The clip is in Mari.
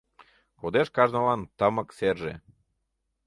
Кодеш кажнылан Тымык серже.